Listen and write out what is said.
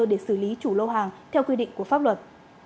để xử lý chủ lô hàng theo quy định của pháp luật